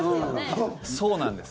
そうなんです。